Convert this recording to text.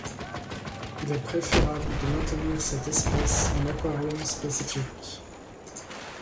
Il est préférable de maintenir cette espèce en aquarium spécifique.